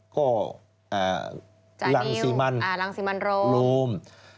ก็ลังสีมันโรม